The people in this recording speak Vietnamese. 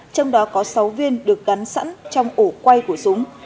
trong đó có sáu viên được gắn sẵn trong ổ quay của súng